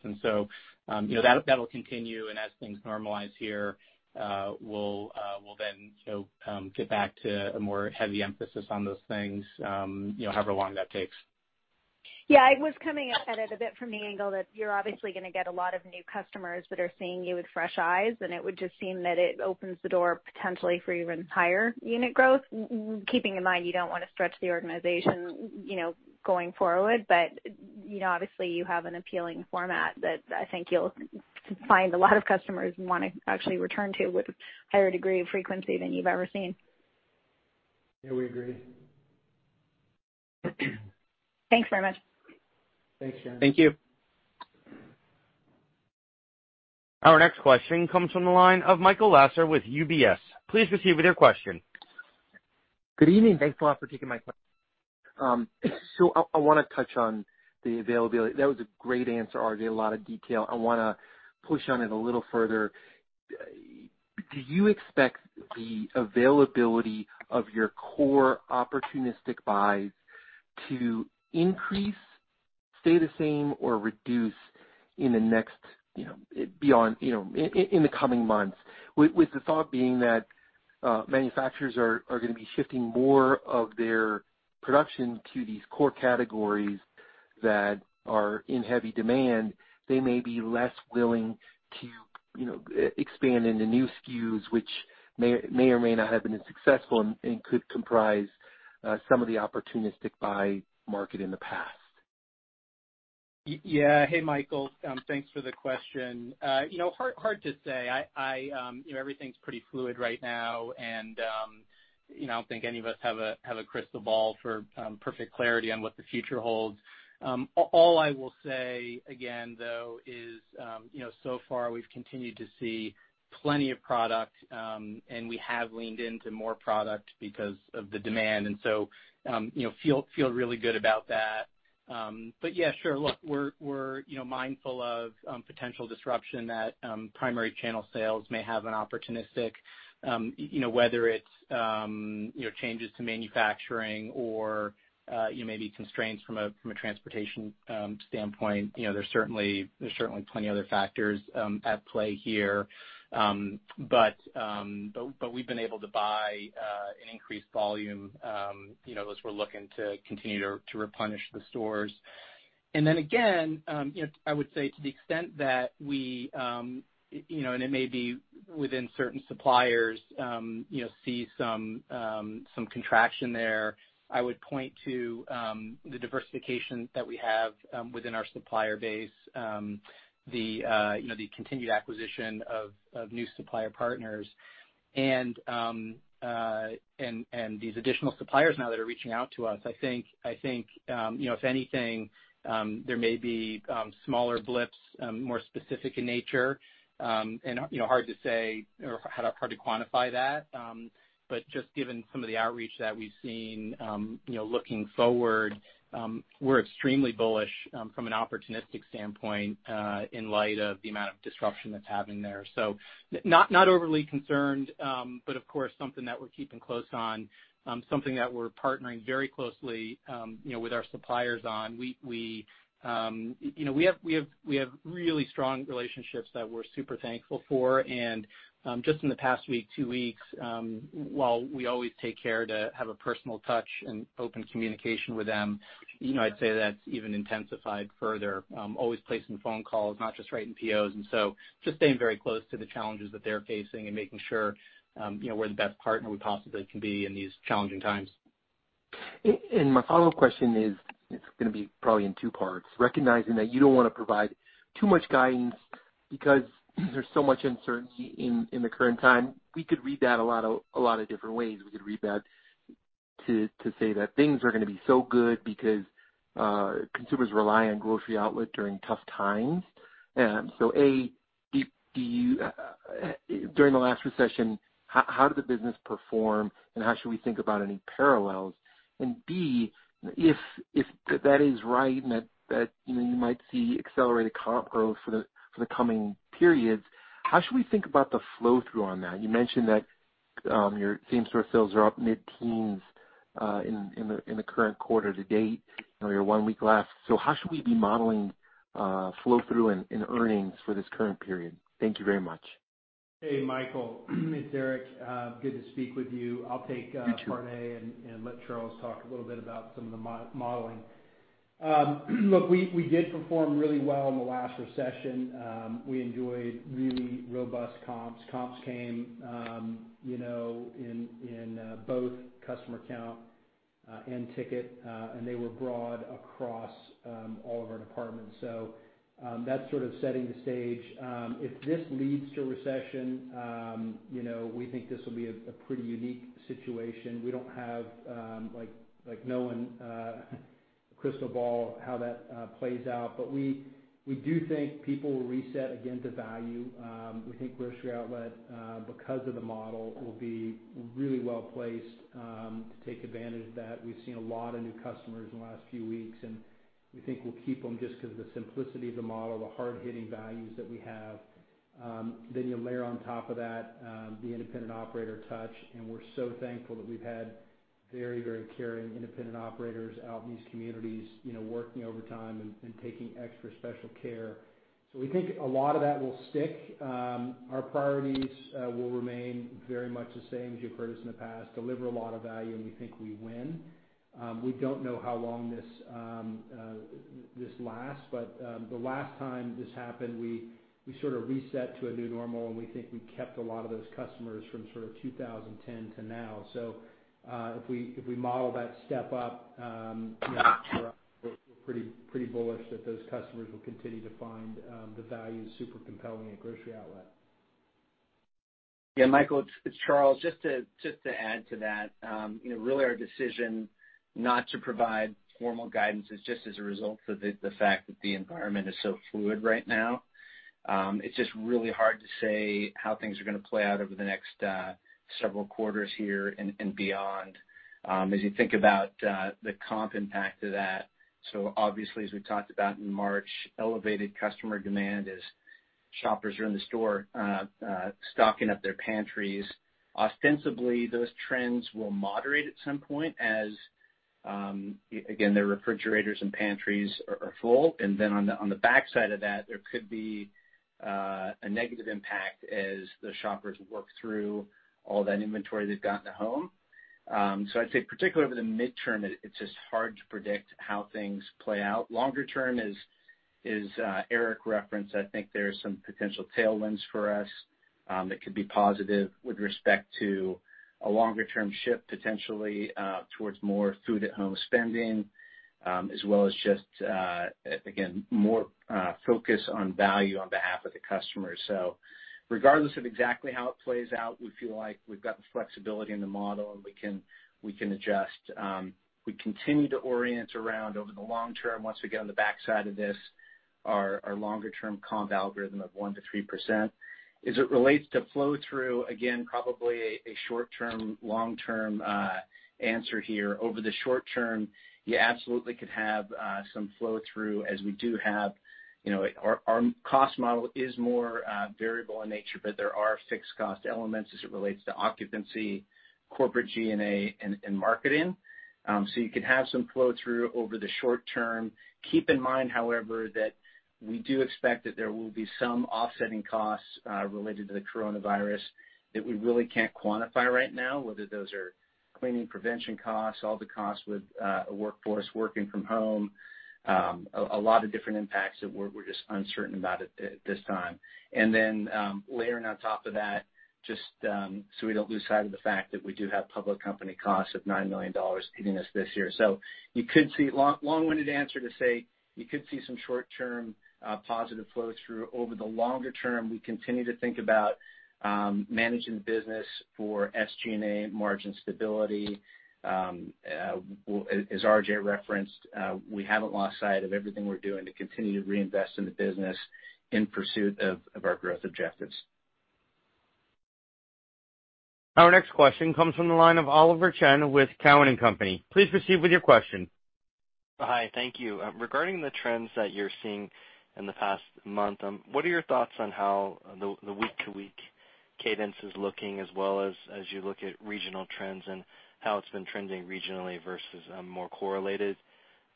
That'll continue, and as things normalize here, we'll then get back to a more heavy emphasis on those things, however long that takes. Yeah. I was coming at it a bit from the angle that you're obviously going to get a lot of new customers that are seeing you with fresh eyes, and it would just seem that it opens the door potentially for even higher unit growth. Keeping in mind you don't want to stretch the organization going forward, but obviously you have an appealing format that I think you'll find a lot of customers want to actually return to with a higher degree of frequency than you've ever seen. Yeah, we agree. Thanks very much. Thanks, Karen. Thank you. Our next question comes from the line of Michael Lasser with UBS. Please proceed with your question. Good evening. Thanks a lot for taking my question. I want to touch on the availability. That was a great answer, RJ. A lot of detail. I want to push on it a little further. Do you expect the availability of your core opportunistic buys to increase, stay the same, or reduce in the coming months? With the thought being that manufacturers are going to be shifting more of their production to these core categories that are in heavy demand. They may be less willing to expand into new SKUs, which may or may not have been as successful and could comprise some of the opportunistic buy market in the past. Yeah. Hey, Michael. Thanks for the question. Hard to say. Everything's pretty fluid right now, and I don't think any of us have a crystal ball for perfect clarity on what the future holds. All I will say again, though, is so far we've continued to see plenty of product, and we have leaned into more product because of the demand. Feel really good about that. Yeah, sure, look, we're mindful of potential disruption that primary channel sales may have on opportunistic, whether it's changes to manufacturing or maybe constraints from a transportation standpoint. There's certainly plenty other factors at play here. We've been able to buy an increased volume, as we're looking to continue to replenish the stores. Again, I would say to the extent that we, and it may be within certain suppliers see some contraction there. I would point to the diversification that we have within our supplier base, the continued acquisition of new supplier partners and these additional suppliers now that are reaching out to us. I think if anything, there may be smaller blips, more specific in nature, and hard to say or hard to quantify that. Just given some of the outreach that we've seen looking forward, we're extremely bullish from an opportunistic standpoint in light of the amount of disruption that's happening there. Not overly concerned, but of course, something that we're keeping close on, something that we're partnering very closely with our suppliers on. We have really strong relationships that we're super thankful for. Just in the past week, two weeks, while we always take care to have a personal touch and open communication with them, I'd say that's even intensified further. Always placing phone calls, not just writing POs. Just staying very close to the challenges that they're facing and making sure we're the best partner we possibly can be in these challenging times. My follow-up question is going to be probably in two parts. Recognizing that you don't want to provide too much guidance because there's so much uncertainty in the current time. We could read that a lot of different ways. We could read that to say that things are going to be so good because consumers rely on Grocery Outlet during tough times. A, during the last recession, how did the business perform, and how should we think about any parallels? B, if that is right and that you might see accelerated comp growth for the coming periods, how should we think about the flow-through on that? You mentioned that your same-store sales are up mid-teens in the current quarter to date, or you're one week left. How should we be modeling flow-through and earnings for this current period? Thank you very much. Hey, Michael. It's Eric. Good to speak with you. You too. Part A. Let Charles talk a little bit about some of the modeling. Look, we did perform really well in the last recession. We enjoyed really robust comps. Comps came in both customer count and ticket, they were broad across all of our departments. That's sort of setting the stage. If this leads to a recession, we think this will be a pretty unique situation. We don't have like no one, a crystal ball of how that plays out. We do think people will reset again to value. We think Grocery Outlet, because of the model, will be really well-placed to take advantage of that. We've seen a lot of new customers in the last few weeks, we think we'll keep them just because of the simplicity of the model, the hard-hitting values that we have. You layer on top of that the independent operator touch, and we're so thankful that we've had very caring independent operators out in these communities working overtime and taking extra special care. We think a lot of that will stick. Our priorities will remain very much the same as you've heard us in the past, deliver a lot of value, and we think we win. We don't know how long this lasts, but the last time this happened, we sort of reset to a new normal, and we think we kept a lot of those customers from sort of 2010 to now. If we model that step up, we're pretty bullish that those customers will continue to find the value super compelling at Grocery Outlet. Yeah, Michael, it's Charles. Just to add to that. Really our decision not to provide formal guidance is just as a result of the fact that the environment is so fluid right now. It's just really hard to say how things are going to play out over the next several quarters here and beyond. Obviously as we talked about in March, elevated customer demand as shoppers are in the store stocking up their pantries. Ostensibly, those trends will moderate at some point as, again, their refrigerators and pantries are full. On the back side of that, there could be a negative impact as the shoppers work through all that inventory they've got in the home. I'd say particularly over the midterm, it's just hard to predict how things play out. Longer term, as Eric referenced, I think there are some potential tailwinds for us that could be positive with respect to a longer-term shift, potentially towards more food at home spending, as well as just, again, more focus on value on behalf of the customer. Regardless of exactly how it plays out, we feel like we've got the flexibility in the model and we can adjust. We continue to orient around over the long term, once we get on the back side of this, our longer-term comp algorithm of 1% to 3%. As it relates to flow-through, again, probably a short term/long term answer here. Over the short term, you absolutely could have some flow-through as we do have-- Our cost model is more variable in nature, but there are fixed cost elements as it relates to occupancy, corporate G&A and marketing. You could have some flow-through over the short term. Keep in mind, however, that we do expect that there will be some offsetting costs related to the coronavirus that we really can't quantify right now, whether those are cleaning prevention costs, all the costs with a workforce working from home. A lot of different impacts that we're just uncertain about at this time. Layering on top of that, just so we don't lose sight of the fact that we do have public company costs of $9 million hitting us this year. Long-winded answer to say you could see some short-term positive flow-through. Over the longer term, we continue to think about managing the business for SG&A margin stability. As RJ referenced, we haven't lost sight of everything we're doing to continue to reinvest in the business in pursuit of our growth objectives. Our next question comes from the line of Oliver Chen with Cowen and Company. Please proceed with your question. Hi, thank you. Regarding the trends that you're seeing in the past month, what are your thoughts on how the week-to-week cadence is looking, as well as you look at regional trends and how it's been trending regionally versus more correlated?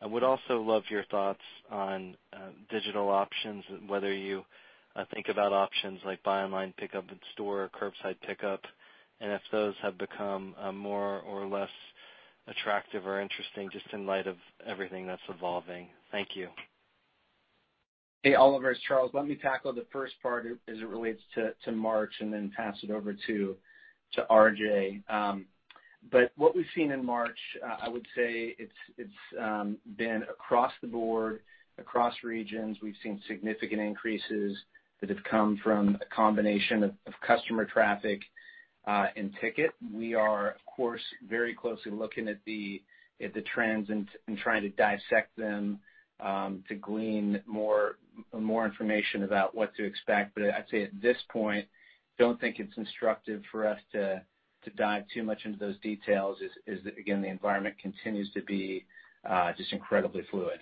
I would also love your thoughts on digital options, whether you think about options like buy online, pickup in store or curbside pickup, and if those have become more or less attractive or interesting just in light of everything that's evolving. Thank you. Hey, Oliver, it's Charles. Let me tackle the first part as it relates to March and then pass it over to RJ. What we've seen in March, I would say it's been across the board, across regions. We've seen significant increases that have come from a combination of customer traffic and ticket. We are, of course, very closely looking at the trends and trying to dissect them to glean more information about what to expect. I'd say at this point, don't think it's instructive for us to dive too much into those details, as again, the environment continues to be just incredibly fluid.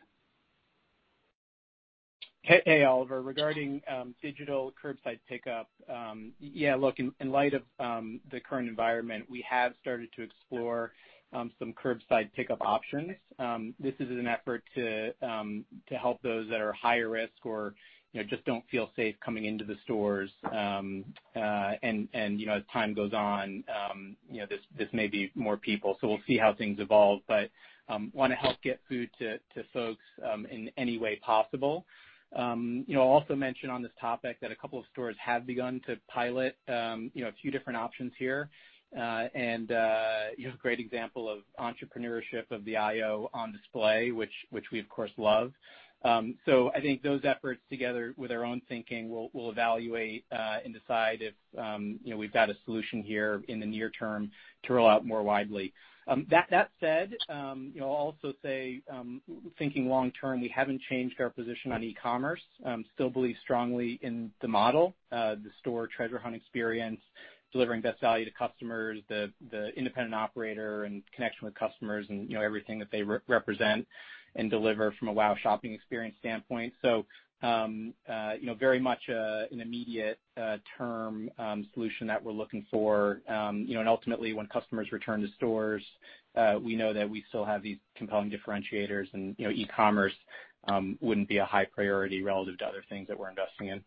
Hey, Oliver. Regarding digital curbside pickup, in light of the current environment, we have started to explore some curbside pickup options. This is an effort to help those that are higher risk or just don't feel safe coming into the stores. As time goes on this may be more people, so we'll see how things evolve. Want to help get food to folks in any way possible. I'll also mention on this topic that a couple of stores have begun to pilot a few different options here. You have a great example of entrepreneurship of the IO on display, which we, of course, love. I think those efforts, together with our own thinking, we'll evaluate and decide if we've got a solution here in the near term to roll out more widely. That said, I'll also say, thinking long term, we haven't changed our position on e-commerce. Still believe strongly in the model, the store treasure hunt experience, delivering best value to customers, the independent operator, and connection with customers and everything that they represent and deliver from a wow shopping experience standpoint. Very much an immediate term solution that we're looking for. Ultimately, when customers return to stores, we know that we still have these compelling differentiators and e-commerce wouldn't be a high priority relative to other things that we're investing in.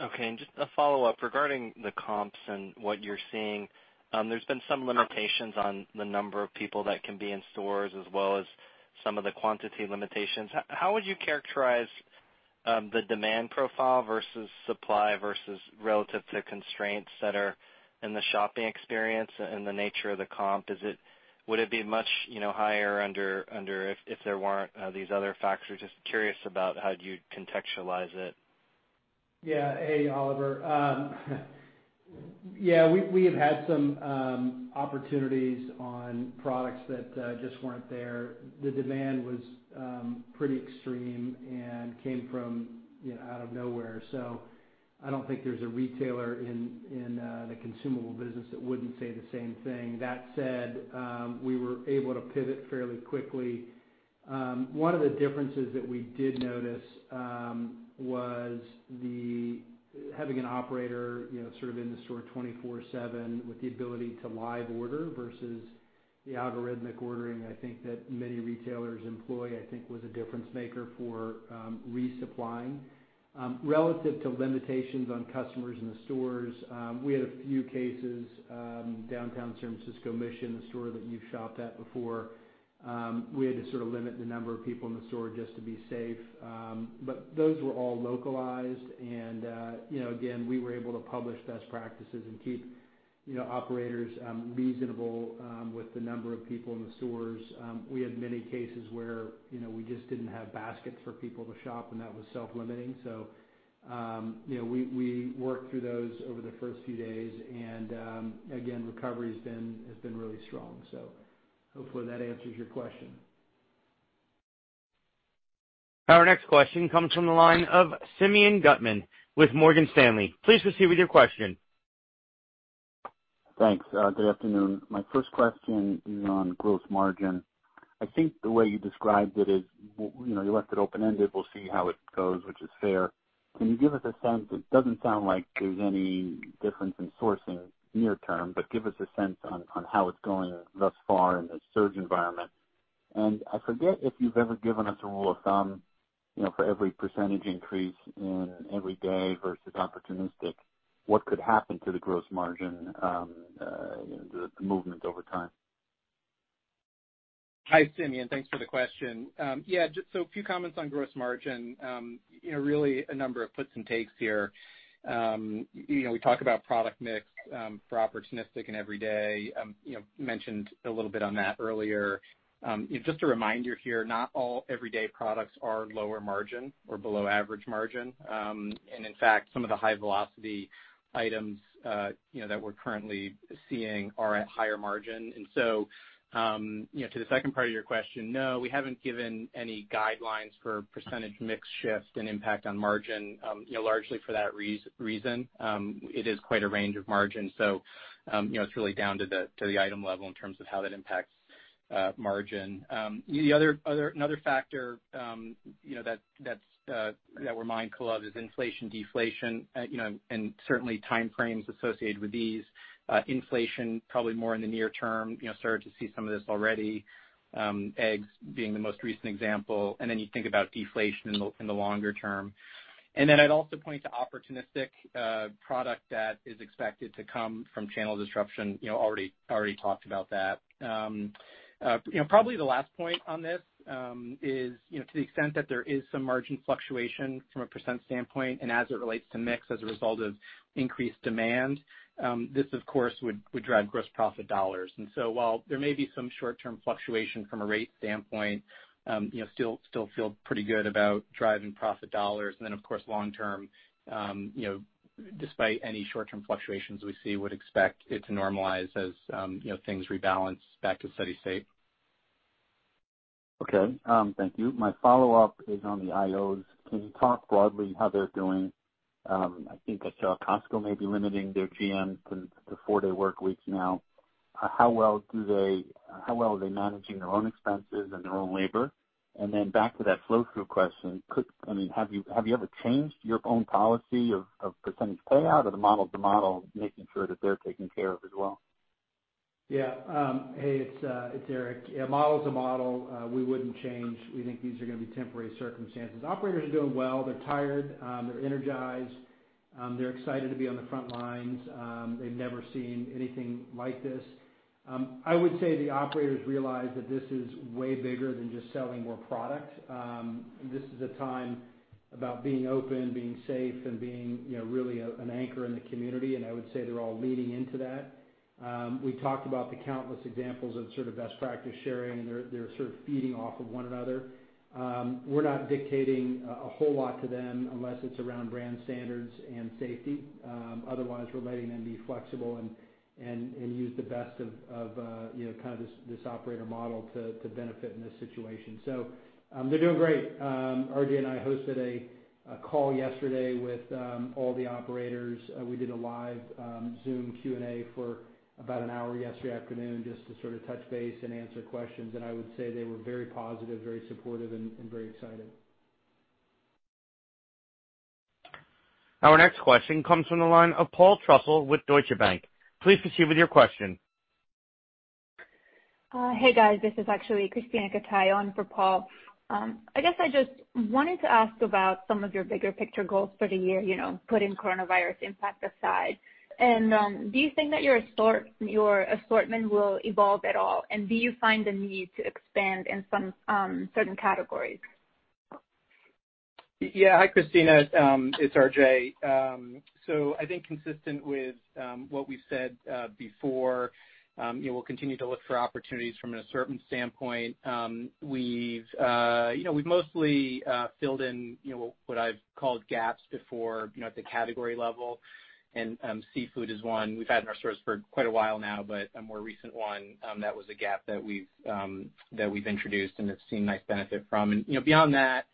Okay, just a follow-up. Regarding the comps and what you're seeing, there's been some limitations on the number of people that can be in stores as well as some of the quantity limitations. How would you characterize the demand profile versus supply versus relative to the constraints that are in the shopping experience and the nature of the comp? Would it be much higher if there weren't these other factors? Just curious about how you'd contextualize it. Hey, Oliver. We have had some opportunities on products that just weren't there. The demand was pretty extreme and came from out of nowhere. I don't think there's a retailer in the consumable business that wouldn't say the same thing. That said, we were able to pivot fairly quickly. One of the differences that we did notice was having an operator in the store 24/7 with the ability to live order versus the algorithmic ordering I think that many retailers employ, I think, was a difference maker for resupplying. Relative to limitations on customers in the stores, we had a few cases, downtown San Francisco Mission, the store that you've shopped at before, we had to limit the number of people in the store just to be safe. Those were all localized and again, we were able to publish best practices and keep operators reasonable with the number of people in the stores. We had many cases where we just didn't have baskets for people to shop, and that was self-limiting. We worked through those over the first few days, and again, recovery has been really strong. Hopefully that answers your question. Our next question comes from the line of Simeon Gutman with Morgan Stanley. Please proceed with your question. Thanks. Good afternoon. My first question is on gross margin. I think the way you described it is you left it open-ended. We'll see how it goes, which is fair. Can you give us a sense, it doesn't sound like there's any difference in sourcing near term, but give us a sense on how it's going thus far in the surge environment. I forget if you've ever given us a rule of thumb for every percentage increase in everyday versus opportunistic, what could happen to the gross margin, the movement over time. Hi, Simeon. Thanks for the question. A few comments on gross margin. Really a number of puts and takes here. We talk about product mix for opportunistic and everyday. Mentioned a little bit on that earlier. Just a reminder here, not all everyday products are lower margin or below average margin. In fact, some of the high velocity items that we're currently seeing are at higher margin. To the second part of your question, no, we haven't given any guidelines for percentage mix shift and impact on margin largely for that reason. It is quite a range of margin. It's really down to the item level in terms of how that impacts margin. Another factor that we're mindful of is inflation, deflation, and certainly time frames associated with these. Inflation probably more in the near term, started to see some of this already, eggs being the most recent example. You think about deflation in the longer term. I'd also point to opportunistic product that is expected to come from channel disruption. Already talked about that. Probably the last point on this is to the extent that there is some margin fluctuation from a percent standpoint and as it relates to mix as a result of increased demand, this of course would drive gross profit dollars. While there may be some short-term fluctuation from a rate standpoint, still feel pretty good about driving profit dollars. Of course, long term despite any short-term fluctuations we see, would expect it to normalize as things rebalance back to steady state. Okay. Thank you. My follow-up is on the IOs. Can you talk broadly how they're doing? I think I saw Costco may be limiting their GMs to four-day workweeks now. How well are they managing their own expenses and their own labor? Back to that flow-through question, have you ever changed your own policy of percentage payout or the model's the model, making sure that they're taken care of as well? Yeah. Hey, it's Eric. Yeah, model's a model. We wouldn't change. We think these are going to be temporary circumstances. Operators are doing well. They're tired. They're energized. They're excited to be on the front lines. They've never seen anything like this. I would say the operators realize that this is way bigger than just selling more product. This is a time about being open, being safe, and being really an anchor in the community, and I would say they're all leaning into that. We talked about the countless examples of best practice sharing, and they're sort of feeding off of one another. We're not dictating a whole lot to them unless it's around brand standards and safety. Otherwise, we're letting them be flexible and use the best of this operator model to benefit in this situation. They're doing great. RJ and I hosted a call yesterday with all the operators. We did a live Zoom Q&A for about an hour yesterday afternoon just to sort of touch base and answer questions, and I would say they were very positive, very supportive, and very excited. Our next question comes from the line of Paul Trussell with Deutsche Bank. Please proceed with your question. Hey, guys, this is actually Krisztina Katai in for Paul. I guess I just wanted to ask about some of your bigger picture goals for the year, putting coronavirus impact aside. Do you think that your assortment will evolve at all? Do you find the need to expand in certain categories? Hi, Krisztina. It's RJ. I think consistent with what we've said before, we'll continue to look for opportunities from an assortment standpoint. We've mostly filled in what I've called gaps before at the category level, and seafood is one we've had in our stores for quite a while now. A more recent one that was a gap that we've introduced and have seen nice benefit from. Beyond that,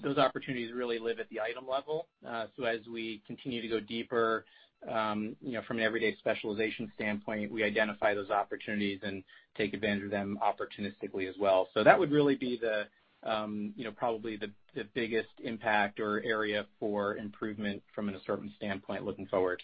those opportunities really live at the item level. As we continue to go deeper from an everyday specialization standpoint, we identify those opportunities and take advantage of them opportunistically as well. That would really be probably the biggest impact or area for improvement from an assortment standpoint looking forward.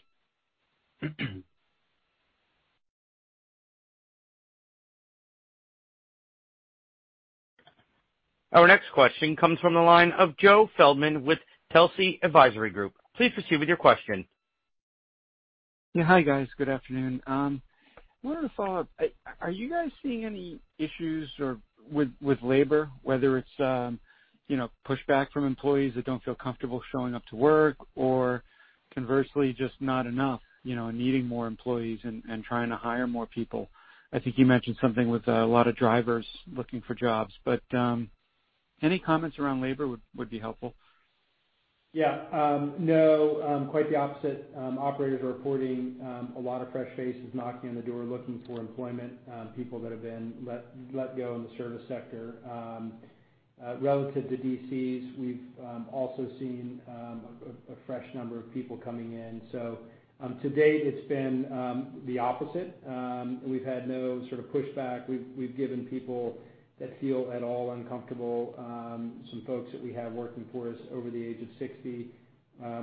Our next question comes from the line of Joe Feldman with Telsey Advisory Group. Please proceed with your question. Hi, guys. Good afternoon. I wanted to follow up. Are you guys seeing any issues with labor, whether it's pushback from employees that don't feel comfortable showing up to work, or conversely, just not enough, needing more employees and trying to hire more people? I think you mentioned something with a lot of drivers looking for jobs, but any comments around labor would be helpful. Yeah. No, quite the opposite. Operators are reporting a lot of fresh faces knocking on the door, looking for employment, people that have been let go in the service sector. Relative to DCs, we've also seen a fresh number of people coming in. To date, it's been the opposite. We've had no sort of pushback. We've given people that feel at all uncomfortable, some folks that we have working for us over the age of 60,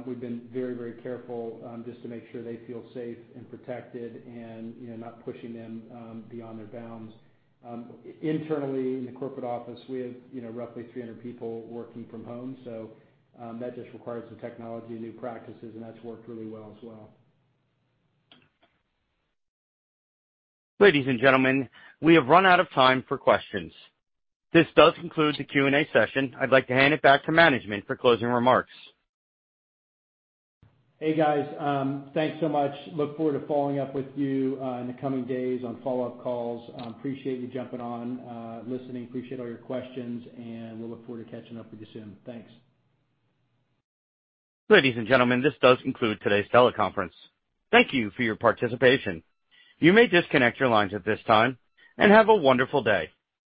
we've been very careful just to make sure they feel safe and protected and not pushing them beyond their bounds. Internally, in the corporate office, we have roughly 300 people working from home, so that just requires the technology and new practices, and that's worked really well as well. Ladies and gentlemen, we have run out of time for questions. This does conclude the Q&A session. I'd like to hand it back to management for closing remarks. Hey, guys. Thanks so much. Look forward to following up with you in the coming days on follow-up calls. Appreciate you jumping on, listening, appreciate all your questions, and we'll look forward to catching up with you soon. Thanks. Ladies and gentlemen, this does conclude today's teleconference. Thank you for your participation. You may disconnect your lines at this time, and have a wonderful day.